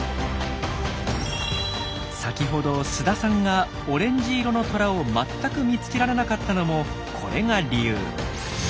先ほど菅田さんがオレンジ色のトラをまったく見つけられなかったのもこれが理由。